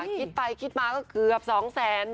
คิดไปคิดมาก็เกือบ๒๐๐๐๐๐บาท